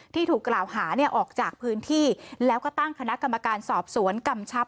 ถูกกล่าวหาเนี่ยออกจากพื้นที่แล้วก็ตั้งคณะกรรมการสอบสวนกำชับ